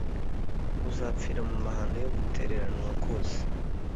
Uzapfira mu mahano yo gutereranwa kwose